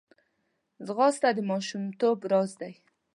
ځغاسته د ماشومتوب راز دی